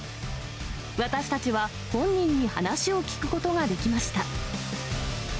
私たちは本人に話を聞くことができました。